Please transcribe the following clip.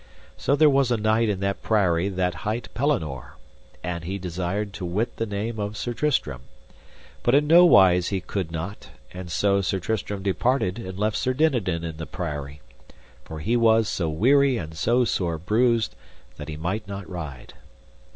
So there was a knight in that priory that hight Pellinore, and he desired to wit the name of Sir Tristram, but in no wise he could not; and so Sir Tristram departed and left Sir Dinadan in the priory, for he was so weary and so sore bruised that he might not ride.